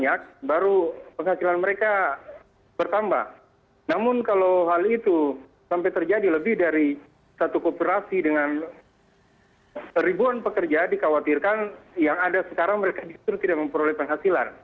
yang ada sekarang mereka tidak memperoleh penghasilan